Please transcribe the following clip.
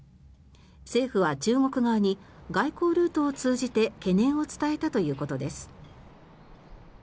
政府は中国側に外交ルートを通じて懸念を伝えたということです。